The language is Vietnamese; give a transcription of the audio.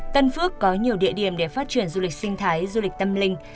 tân phước có nhiều địa điểm để phát triển du lịch sinh thái du lịch tâm linh